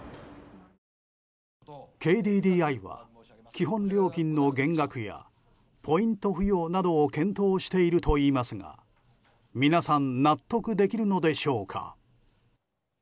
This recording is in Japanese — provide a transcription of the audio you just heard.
ＫＤＤＩは基本料金の減額やポイント付与などを検討しているといいますが皆さん納得できるのでしょうか？